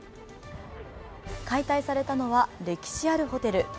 解体されたのは歴史あるホテル。